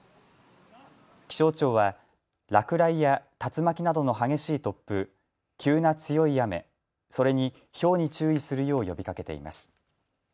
気象庁は落雷や竜巻などの激しい突風、急な強い雨、それにひょうに注意するよう呼びかけています。